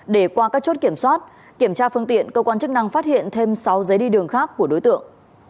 để qua các chốt kiểm soát kiểm tra phương tiện cơ quan chức năng phát hiện thêm sáu giấy đi đường khác của đối tượng